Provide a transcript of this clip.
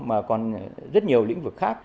mà còn rất nhiều lĩnh vực khác